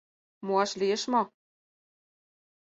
Муаш лиеш мо?